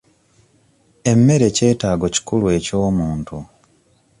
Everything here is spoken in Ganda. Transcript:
Emmere kyetaago kikulu eky'omuntu.